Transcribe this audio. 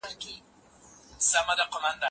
هر هدف ته د رسېدو لپاره پلان جوړ کړئ.